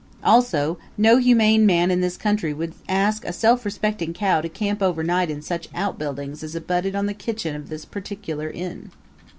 Also, no humane man in this country would ask a self respecting cow to camp overnight in such outbuildings as abutted on the kitchen of this particular inn.